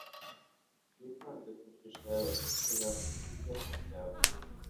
wibande ku migisha yawe, aho kwibanda ku byago byawe